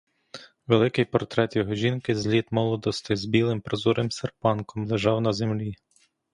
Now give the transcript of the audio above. Великий портрет його жінки з літ молодости, з білим, прозорим серпанком, лежав на землі.